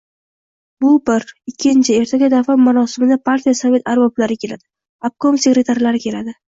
— Bu, bir. Ikkinchi: ertaga dafn marosimida partiya-sovet arboblari keladi, obkom sekretarlari keladi.